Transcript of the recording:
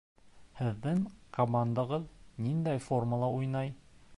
Һеҙҙең командағыҙ ниндәй формала уйнай?